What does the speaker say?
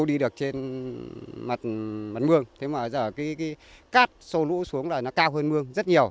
đi được trên mặt mương thế mà giờ cái cát sâu lũ xuống là nó cao hơn mương rất nhiều